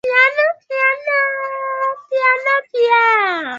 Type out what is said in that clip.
Kaanga viazi mpaka viwe na rangi ya kahawia kwenye kikaango kikubwa cha mafuta